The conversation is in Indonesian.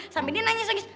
sampai dia nanya sengis